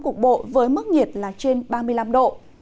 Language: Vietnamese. cục bộ với mức nhiệt là trên ba mươi năm độ